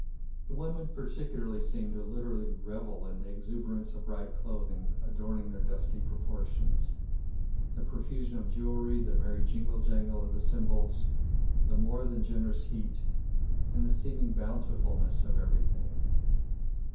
The women particularly seem to literally revel in the exuberance of bright coloring adorning their dusky proportions, the profusion of jewellery, the merry jingle jangle of the cymbals, the more than generous heat, and the seeming bountifulness of everything.